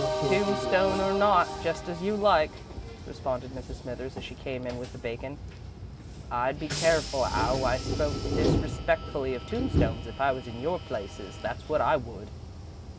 "Tombstone or not, just as you like," responded Mrs. Smithers, as she came in with the bacon. "I'd be careful 'ow I spoke disrespectfully of tombstones if I was in your places, that's wot I would.